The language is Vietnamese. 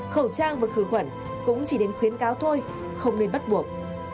khẩu trang và khử khuẩn cũng chỉ đến khuyến cáo thôi không nên bắt buộc